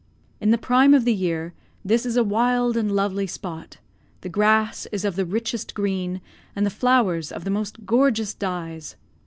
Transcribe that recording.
In the prime of the year, this is a wild and lovely spot, the grass is of the richest green, and the flowers of the most gorgeous dyes.